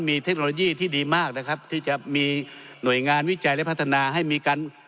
มีเทคโนโลยีที่ดีมากนะครับที่จะมีหน่วยงานวิจัยและพัฒนาให้มีการ